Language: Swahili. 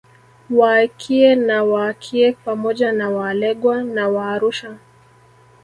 Waakie na Waakiek pamoja na Waalegwa na Waarusha